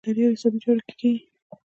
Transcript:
دا په اداري او حسابي چارو کې کیږي.